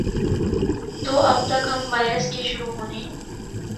تو اب تک ہم وائرس کے شروع ہونے